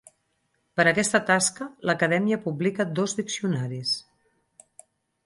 Per aquesta tasca, l'acadèmia publica dos diccionaris.